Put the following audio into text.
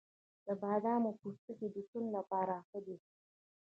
د بادامو پوستکی د سون لپاره ښه دی؟